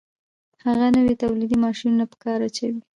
هغه نوي تولیدي ماشینونه په کار اچوي